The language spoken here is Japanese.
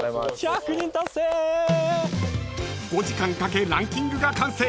［５時間かけランキングが完成］